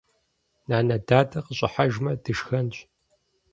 Нанэ, дадэ къыщӀыхьэжмэ дышхэнщ.